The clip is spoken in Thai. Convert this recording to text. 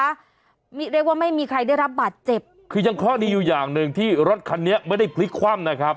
เรียกว่าไม่มีใครได้รับบาดเจ็บคือยังเคราะห์ดีอยู่อย่างหนึ่งที่รถคันนี้ไม่ได้พลิกคว่ำนะครับ